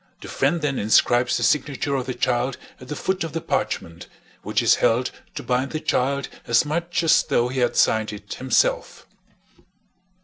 The friend then inscribes the signature of the child at the foot of the parchment, which is held to bind the child as much as though he had signed it himself.